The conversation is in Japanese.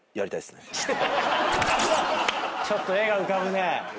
ちょっと絵が浮かぶね。